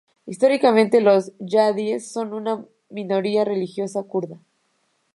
Históricamente, los yazidíes son una minoría religiosa kurda.